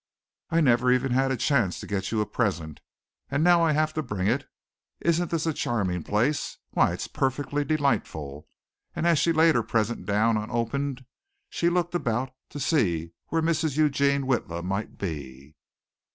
I never even had a chance to get you a present and now I have to bring it. Isn't this a charming place why it's perfectly delightful," and as she laid her present down unopened she looked about to see where Mrs. Eugene Witla might be.